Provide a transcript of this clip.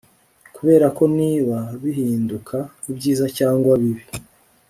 kuberako niba bihinduka ibyiza cyangwa bibi